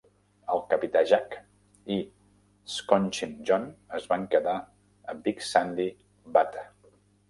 El Capità Jack i Schonchin John es van quedar a Big Sandy Butte.